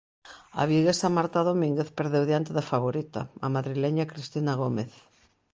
A viguesa Marta Domínguez perdeu diante da favorita, a madrileña Cristina Gómez.